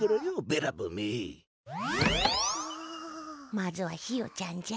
まずはひよちゃんじゃ。